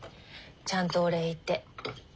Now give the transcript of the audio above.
ちゃんとお礼言って。